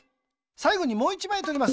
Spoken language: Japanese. さいごにもう１まいとります。